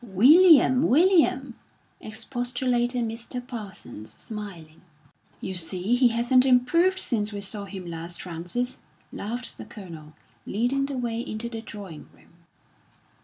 "William, William!" expostulated Mr. Parsons, smiling. "You see he hasn't improved since we saw him last, Frances," laughed the Colonel, leading the way into the drawing room.